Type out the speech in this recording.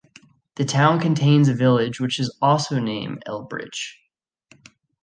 The town contains a village which is also named Elbridge.